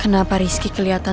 kenapa pangeran ngantin kan